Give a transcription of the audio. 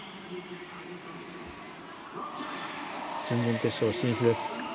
準々決勝進出です。